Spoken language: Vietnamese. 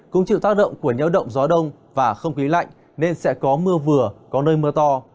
cũng chịu tác động của nhiễu động gió đông và không khí lạnh nên sẽ có mưa vừa có nơi mưa to